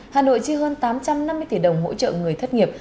hà nội chi hơn tám trăm năm mươi tỷ đồng hỗ trợ người thất nghiệp